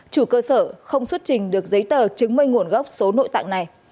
chủ cơ sở không xuất trình được giấy tờ chứng minh nguồn gốc số nội tạng này